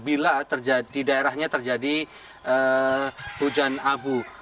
bila di daerahnya terjadi hujan abu